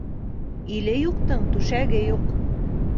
Иле юҡтың түшәге юҡ